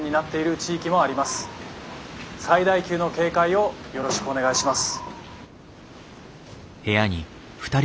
最大級の警戒をよろしくお願いします」。